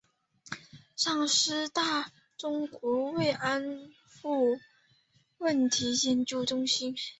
上师大中国慰安妇问题研究中心